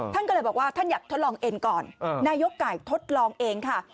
ท่านก็เลยบอกว่าท่านอยากทดลองเอ็นก่อนนายกไก่ทดลองเองค่ะ